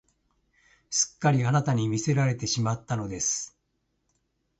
すっかりあなたに魅せられてしまったのです